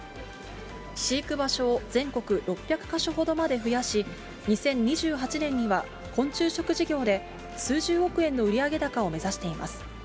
飼育場所を全国６００か所ほどまで増やし、２０２８年には昆虫食事業で数十億円の売上高を目指しています。